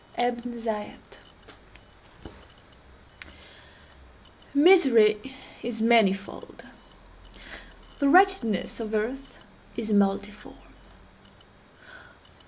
—Ebn Zaiat. Misery is manifold. The wretchedness of earth is multiform.